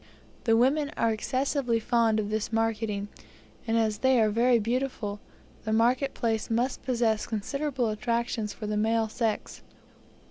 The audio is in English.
The women are excessively fond of this marketing, and, as they are very beautiful, the market place must possess considerable attractions for the male sex.